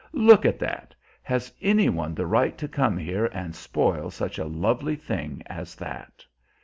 Look at that! Has any one the right to come here and spoil such a lovely thing as that?"